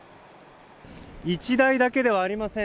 １台だけではありません。